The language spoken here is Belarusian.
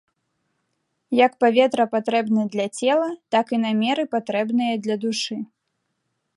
Як паветра патрэбна для цела, так і намеры патрэбныя для душы.